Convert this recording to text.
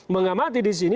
mengamati di sini